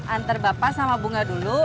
antar bapak sama bunga dulu